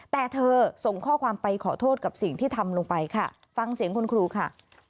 แต่เธอส่งข้อความไปขอโทษกับสิ่งที่ทำลงไปค่ะฟังเสียงคุณครูค่ะ